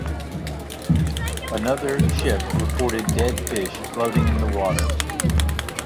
Another ship reported dead fish floating in the water.